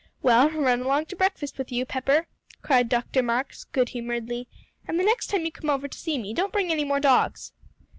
"Well, run along to breakfast with you, Pepper," cried Dr. Marks good humoredly, "and the next time you come over to see me, don't bring any more dogs."